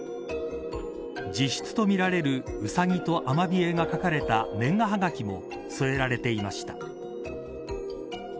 自筆とみられるうさぎとアマビエが描かれた年賀はがきも添えられていました。